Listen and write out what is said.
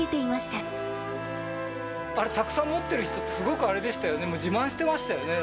たくさん持っている人って、すごくあれでしたよね、